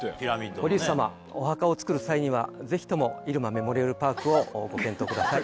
堀内様、お墓を作る際には、ぜひとも入間メモリアルパークをご検討ください。